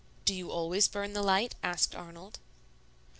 "Do you always burn the light?" asked Arnold.